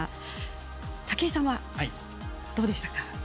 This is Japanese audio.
武井さんはどうでしたか？